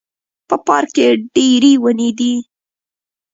په پارک کې ډیري وني دي